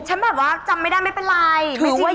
ฉันแบบว่าจำไม่ได้ไม่เป็นไรไม่ซีเรียก